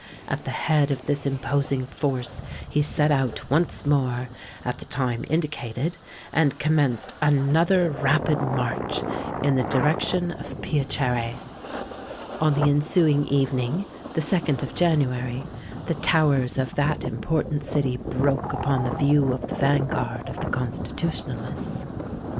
At the head of this imposing force he set out once more, at the time indicated, and commenced another rapid march in the direction of Piacere. On the ensuing evening—the 2d of January—the towers of that important city broke upon the view of the van guard of the Constitutionalists.